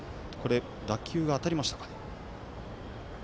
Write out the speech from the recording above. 打球が当たりましたか。